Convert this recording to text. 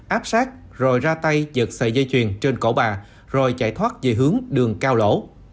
áp sát rồi ra tay giật sợi dây chuyền trên cổ bà rồi chạy thoát về hướng đường cao lỗ